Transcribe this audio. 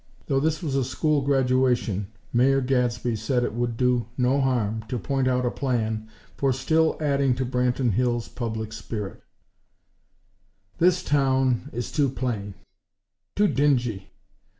Though this was a school graduation, Mayor Gadsby said it would do no harm to point out a plan for still adding to Branton Hills' public spirit: "This town is too plain; too dingy.